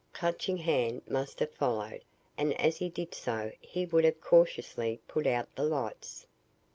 Clutching Hand must have followed and as he did so he would have cautiously put out the lights."